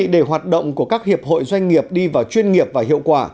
để hoạt động của các hiệp hội doanh nghiệp đi vào chuyên nghiệp và hiệu quả